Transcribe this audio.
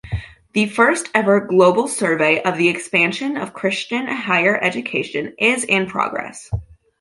The first-ever global survey of the expansion of Christian higher education is in progress.